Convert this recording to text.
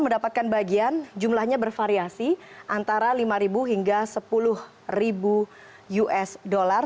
mendapatkan bagian jumlahnya bervariasi antara lima hingga sepuluh usd